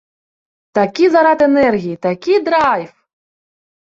Такі зарад энергіі, такі драйв!